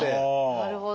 なるほど。